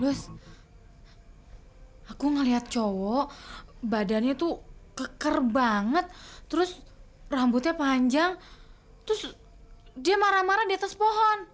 terus aku ngeliat cowok badannya tuh keker banget terus rambutnya panjang terus dia marah marah di atas pohon